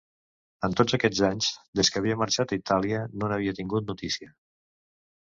En tots aquests anys, des que havia marxat a Itàlia, no n'havia tingut notícia.